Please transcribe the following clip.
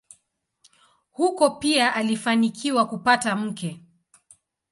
Huko pia alifanikiwa kupata mke.